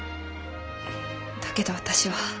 だけど私は。